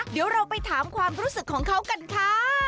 เดี๋ยวเราไปถามความรู้สึกของเขากันค่ะ